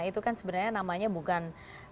itu kan sebenarnya namanya bukan